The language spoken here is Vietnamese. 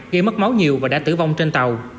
gây mất máu nhiều và đã tử vong trên tàu